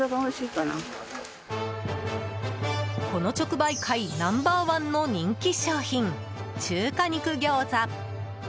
この直売会ナンバー１の人気商品、中華肉餃子。